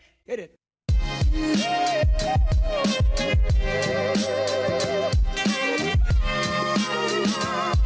bagaimana cara membuatnya